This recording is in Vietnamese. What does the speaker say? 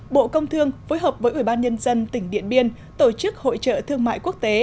bộ công thương phối hợp với ủy ban nhân dân tỉnh điện biên tổ chức hội trợ thương mại quốc tế